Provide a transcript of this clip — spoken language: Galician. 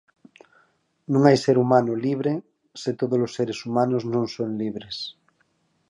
Non hai un ser humano libre se todos os seres humanos non son libres.